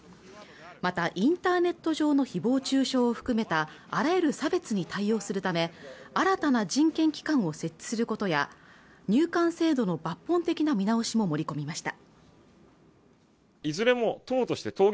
またインターネット上の誹謗中傷を含めたあらゆる差別に対応するため新たな人権機関を設置することや入管制度の抜本的な見直しも盛り込みました